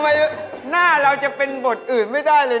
หน้าเราจะเป็นบทอื่นไม่ได้เลย